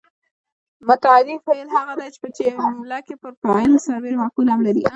متعدي فعل هغه دی چې په جمله کې پر فاعل سربېره مفعول هم لري.